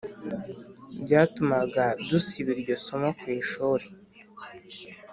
byatumaga dusiba iryo somo ku ishuri